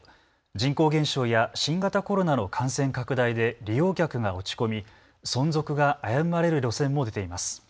人口減少や新型コロナの感染拡大で利用客が落ち込み存続が危ぶまれる路線も出ています。